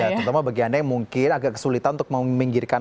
terutama bagi anda yang mungkin agak kesulitan untuk meminggirkan